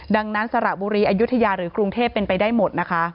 ดังนั้นสระบุรีอายุทยาหรือกรุงเทพเป็นไปได้หมดนะคะ